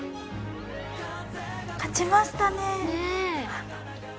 勝ちましたね！